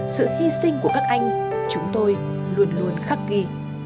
sự hy sinh của các anh chúng tôi luôn luôn khắc ghi